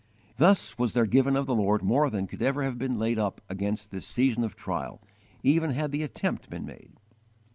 Thus was there given of the Lord more than could have been laid up against this season of trial, even had the attempt been made.